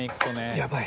やばい。